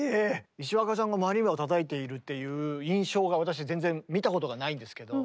石若さんがマリンバをたたいているっていう印象が私全然見たことがないんですけど。